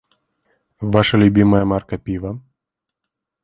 Ваша любімае марка піва?